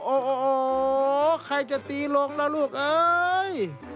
โอ้โหใครจะตีลงล่ะลูกเอ้ย